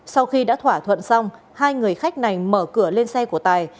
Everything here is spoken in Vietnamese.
sau khi đã thỏa thuận xong hai người khách này mở cửa lên xe của tài